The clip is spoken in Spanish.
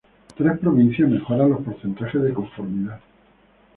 tres provincias mejoran los porcentajes de conformidad